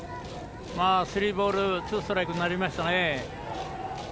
スリーボールツーストライクになりましたね。